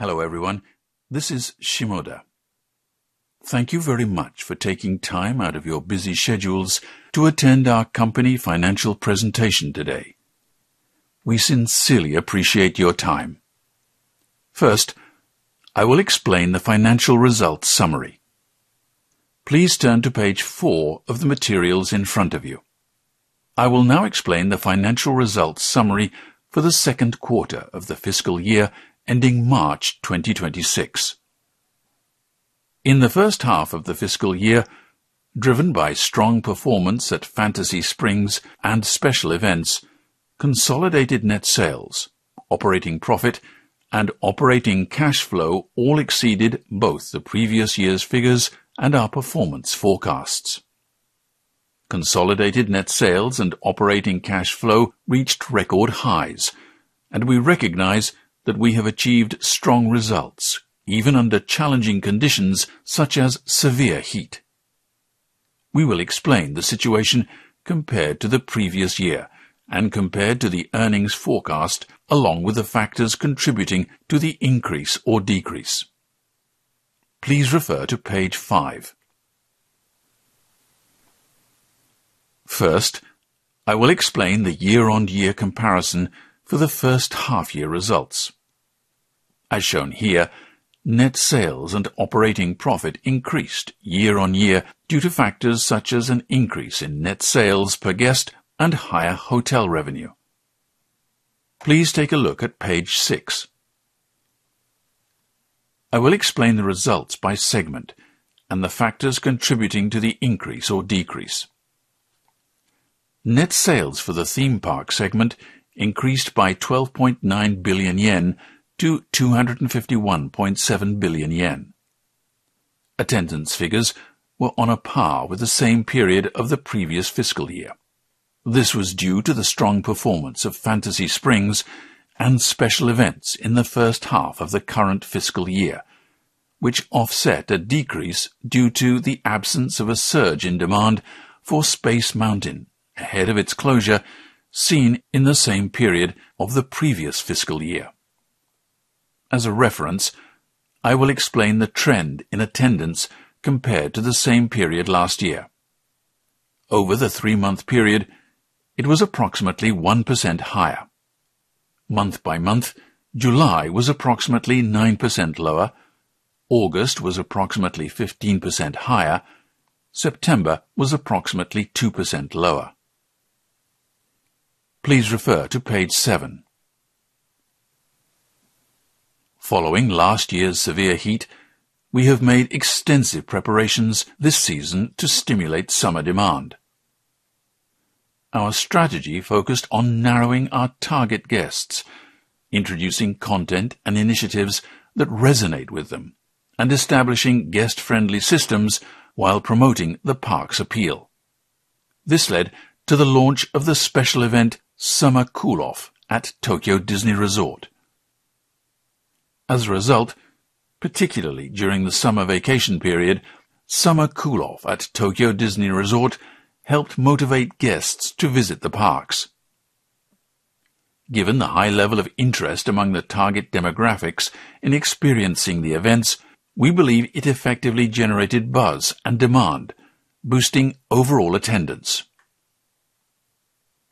Hello everyone, this is Shimoda. Thank you very much for taking time out of your busy schedules to attend our company financial presentation today. We sincerely appreciate your time. First, I will explain the financial results summary. Please turn to page four of the materials in front of you. I will now explain the financial results summary for the second quarter of the fiscal year ending March 2026. In the first half of the fiscal year, driven by strong performance at Fantasy Springs and special events, consolidated net sales, operating profit, and operating cash flow all exceeded both the previous year's figures and our performance forecasts. Consolidated net sales and operating cash flow reached record highs, and we recognize that we have achieved strong results even under challenging conditions such as severe heat. We will explain the situation compared to the previous year and compared to the earnings forecast, along with the factors contributing to the increase or decrease. Please refer to page five. First, I will explain the year-on-year comparison for the first half-year results. As shown here, net sales and operating profit increased year-on-year due to factors such as an increase in net sales per guest and higher hotel revenue. Please take a look at page six. I will explain the results by segment and the factors contributing to the increase or decrease. Net sales for the Theme Park segment increased by 12.9 billion yen to 251.7 billion yen. Attendance figures were on a par with the same period of the previous fiscal year. This was due to the strong performance of Fantasy Springs and special events in the first half of the current fiscal year, which offset a decrease due to the absence of a surge in demand for Space Mountain ahead of its closure seen in the same period of the previous fiscal year. As a reference, I will explain the trend in attendance compared to the same period last year. Over the three-month period, it was approximately 1% higher. Month by month, July was approximately 9% lower, August was approximately 15% higher, and September was approximately 2% lower. Please refer to page seven. Following last year's severe heat, we have made extensive preparations this season to stimulate summer demand. Our strategy focused on narrowing our target guests, introducing content and initiatives that resonate with them, and establishing guest-friendly systems while promoting the park's appeal. This led to the launch of the special event Summer Cool-Off at Tokyo Disney Resort. As a result, particularly during the summer vacation period, Summer Cool-Off at Tokyo Disney Resort helped motivate guests to visit the parks. Given the high level of interest among the target demographics in experiencing the events, we believe it effectively generated buzz and demand, boosting overall attendance.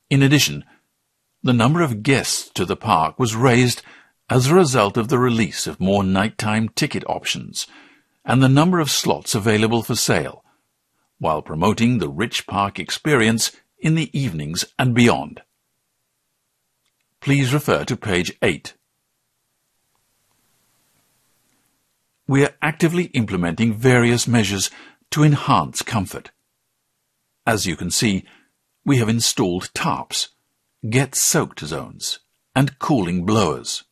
In addition, the number of guests to the park was raised as a result of the release of more nighttime ticket options and the number of slots available for sale, while promoting the rich park experience in the evenings and beyond. Please refer to page eight. We are actively implementing various measures to enhance comfort. As you can see, we have installed tarps, get-soaked zones, and cooling blowers.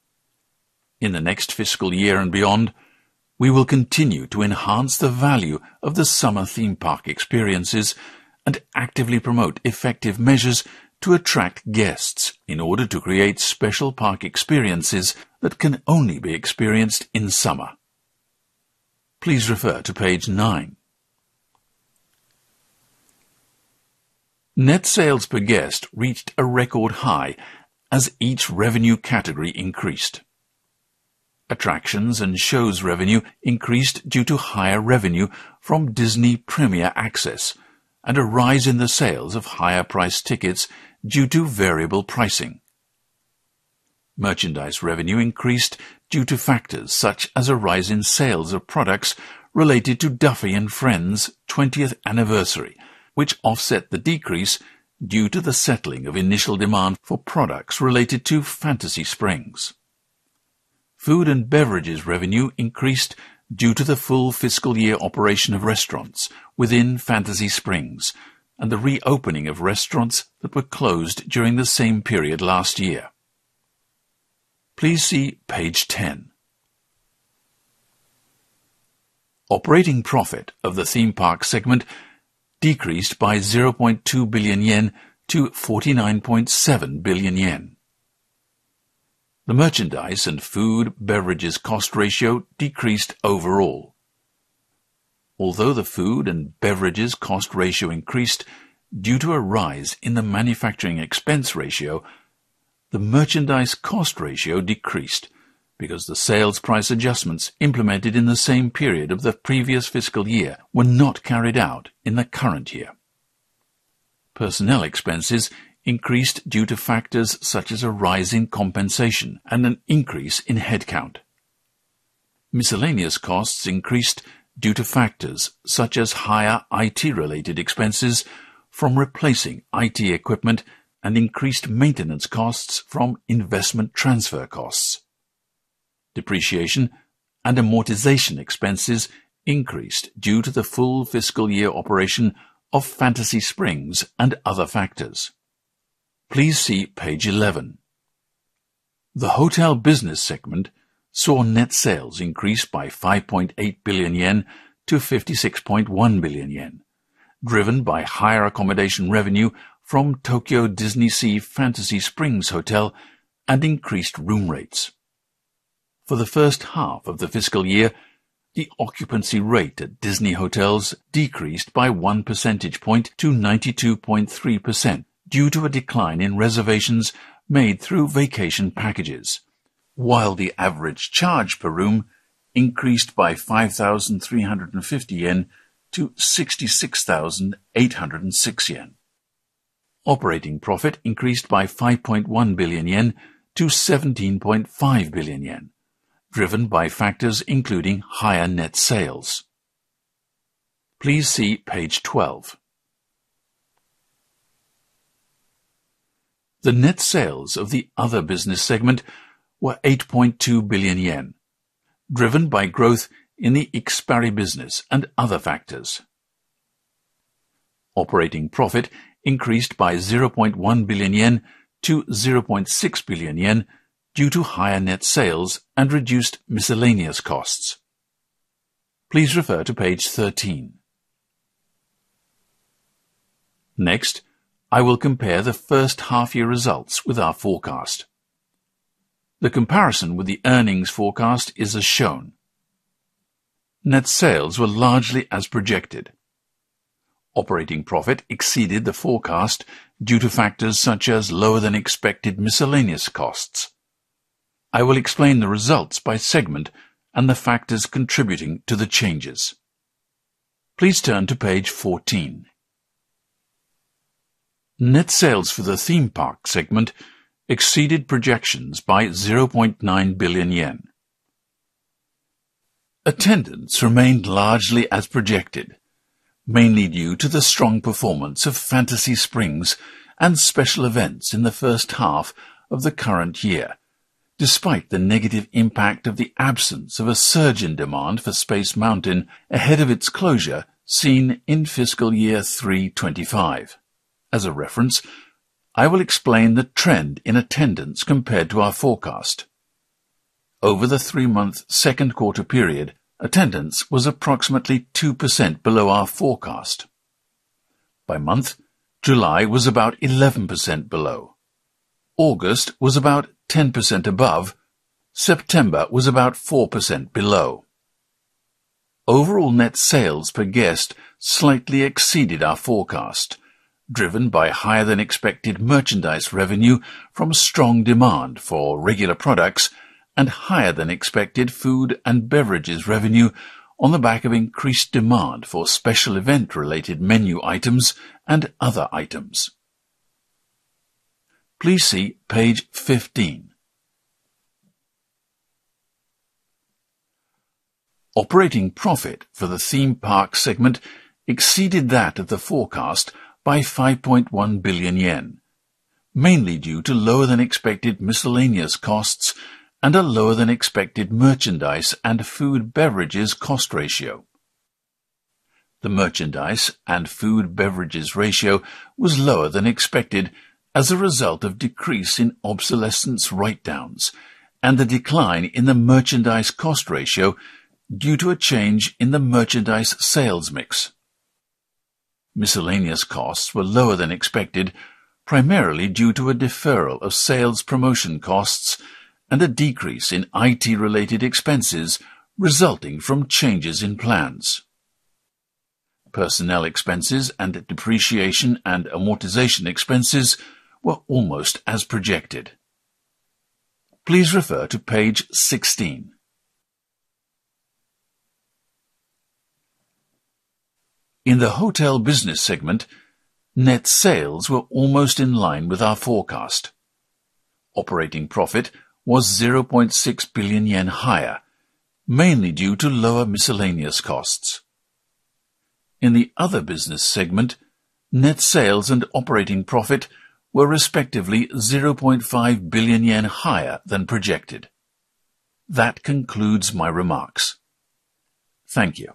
In the next fiscal year and beyond, we will continue to enhance the value of the summer Theme Park experiences and actively promote effective measures to attract guests in order to create special park experiences that can only be experienced in summer. Please refer to page nine. Net sales per guest reached a record high as each revenue category increased. Attractions and shows revenue increased due to higher revenue from Disney Premier Access and a rise in the sales of higher-priced tickets due to variable pricing. Merchandise revenue increased due to factors such as a rise in sales of products related to Duffy and Friends' 20th anniversary, which offset the decrease due to the settling of initial demand for products related to Fantasy Springs. Food and beverages revenue increased due to the full fiscal year operation of restaurants within Fantasy Springs and the reopening of restaurants that were closed during the same period last year. Please see page 10. Operating profit of the Theme Park segment decreased by 0.2 billion yen to 49.7 billion yen. The merchandise and food/beverages cost ratio decreased overall. Although the food and beverages cost ratio increased due to a rise in the manufacturing expense ratio, the merchandise cost ratio decreased because the sales price adjustments implemented in the same period of the previous fiscal year were not carried out in the current year. Personnel expenses increased due to factors such as a rise in compensation and an increase in headcount. Miscellaneous costs increased due to factors such as higher IT-related expenses from replacing IT equipment and increased maintenance costs from investment transfer costs. Depreciation and amortization expenses increased due to the full fiscal year operation of Fantasy Springs and other factors. Please see page 11. The hotel business segment saw net sales increase by 5.8 billion yen to 56.1 billion yen, driven by higher accommodation revenue from Tokyo DisneySea Fantasy Springs Hotel and increased room rates. For the first half of the fiscal year, the occupancy rate at Disney Hotels decreased by 1% to 92.3% due to a decline in reservations made through Vacation Packages, while the average charge per room increased by 5,350 yen to 66,806 yen. Operating profit increased by 5.1 billion yen to 17.5 billion yen, driven by factors including higher net sales. Please see page 12. The net sales of the other business segment were 8.2 billion yen, driven by growth in the IKSPIARI business and other factors. Operating profit increased by 0.1 billion yen to 0.6 billion yen due to higher net sales and reduced miscellaneous costs. Please refer to page 13. Next, I will compare the first half-year results with our forecast. The comparison with the earnings forecast is as shown. Net sales were largely as projected. Operating profit exceeded the forecast due to factors such as lower-than-expected miscellaneous costs. I will explain the results by segment and the factors contributing to the changes. Please turn to page 14. Net sales for the Theme Park segment exceeded projections by 0.9 billion yen. Attendance remained largely as projected, mainly due to the strong performance of Fantasy Springs and special events in the first half of the current year, despite the negative impact of the absence of a surge in demand for Space Mountain ahead of its closure seen in fiscal year 2023. As a reference, I will explain the trend in attendance compared to our forecast. Over the three-month second quarter period, attendance was approximately 2% below our forecast. By month, July was about 11% below. August was about 10% above. September was about 4% below. Overall net sales per guest slightly exceeded our forecast, driven by higher-than-expected merchandise revenue from strong demand for regular products and higher-than-expected food and beverages revenue on the back of increased demand for special event-related menu items and other items. Please see page 15. Operating profit for the Theme Park segment exceeded that of the forecast by 5.1 billion yen, mainly due to lower-than-expected miscellaneous costs and a lower-than-expected merchandise and food/beverages cost ratio. The merchandise and food/beverages ratio was lower than expected as a result of a decrease in obsolescence write-downs and the decline in the merchandise cost ratio due to a change in the merchandise sales mix. Miscellaneous costs were lower than expected primarily due to a deferral of sales promotion costs and a decrease in IT-related expenses resulting from changes in plans. Personnel expenses and depreciation and amortization expenses were almost as projected. Please refer to page 16. In the hotel business segment, net sales were almost in line with our forecast. Operating profit was 0.6 billion yen higher, mainly due to lower miscellaneous costs. In the other business segment, net sales and operating profit were respectively 0.5 billion yen higher than projected. That concludes my remarks. Thank you.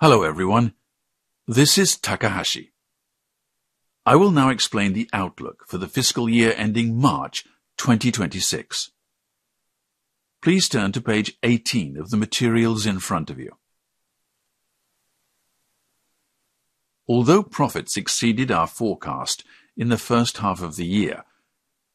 Hello everyone, this is Takahashi. I will now explain the outlook for the fiscal year ending March 2026. Please turn to page 18 of the materials in front of you. Although profits exceeded our forecast in the first half of the year,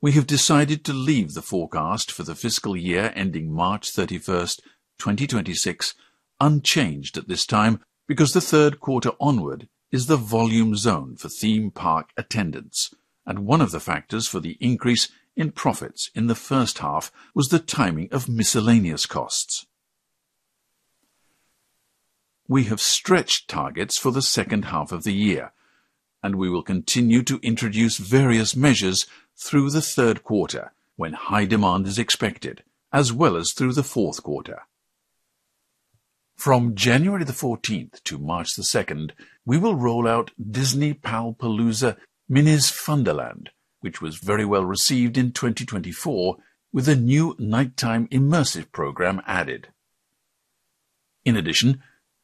we have decided to leave the forecast for the fiscal year ending March 31st, 2026, unchanged at this time because the third quarter onward is the volume zone for Theme Park attendance, and one of the factors for the increase in profits in the first half was the timing of miscellaneous costs. We have stretched targets for the second half of the year, and we will continue to introduce various measures through the third quarter when high demand is expected, as well as through the fourth quarter. From January 14th to March 2nd, we will roll out Disney Pal-Palooza Minnie's Funderland, which was very well received in 2024 with a new nighttime immersive program added. In addition,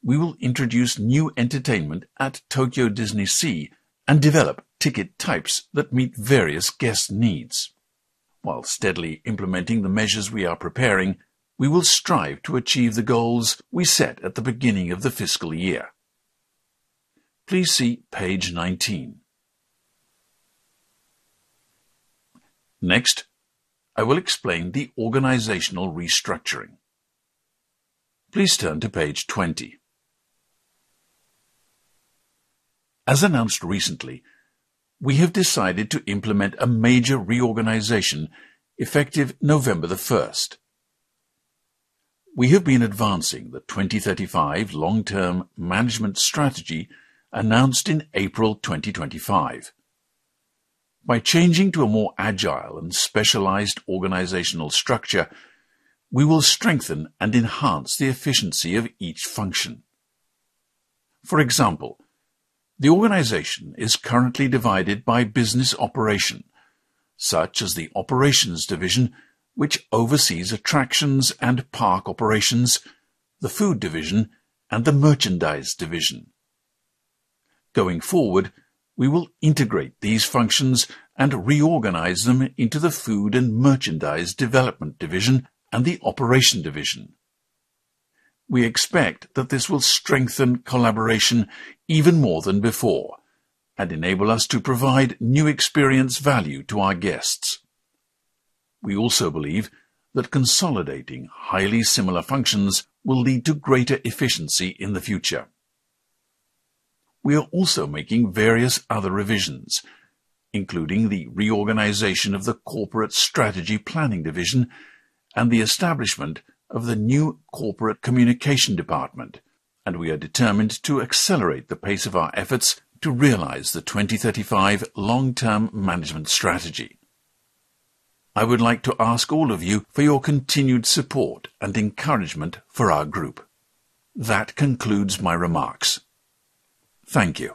we will introduce new entertainment at Tokyo DisneySea and develop ticket types that meet various guest needs. While steadily implementing the measures we are preparing, we will strive to achieve the goals we set at the beginning of the fiscal year. Please see page 19. Next, I will explain the organizational restructuring. Please turn to page 20. As announced recently, we have decided to implement a major reorganization effective November 1st. We have been advancing the 2035 Long-Term Management Strategy announced in April 2025. By changing to a more agile and specialized organizational structure, we will strengthen and enhance the efficiency of each function. For example, the organization is currently divided by business operation, such as the Operations Division, which oversees attractions and park operations, the Food Division, and the Merchandise Division. Going forward, we will integrate these functions and reorganize them into the Food & Merchandise Development Division and the Operations Division. We expect that this will strengthen collaboration even more than before and enable us to provide new experience value to our guests. We also believe that consolidating highly similar functions will lead to greater efficiency in the future. We are also making various other revisions, including the reorganization of the Corporate Strategy Planning Division and the establishment of the new Corporate Communication Department, and we are determined to accelerate the pace of our efforts to realize the 2035 Long-Term Management Strategy. I would like to ask all of you for your continued support and encouragement for our group. That concludes my remarks. Thank you.